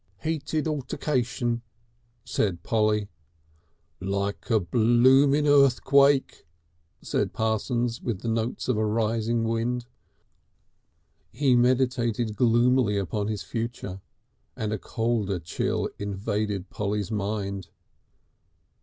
"Heated altaclation," said Polly. "Like a blooming earthquake!" said Parsons, with the notes of a rising wind. He meditated gloomily upon his future and a colder chill invaded Polly's mind.